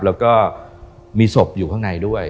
แล้วก็มีศพอยู่ข้างในด้วย